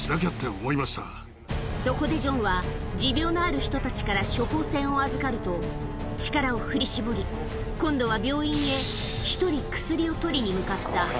そこでジョンは、持病のある人たちから処方箋を預かると、力を振り絞り、今度は病院へ一人、薬を取りに向かった。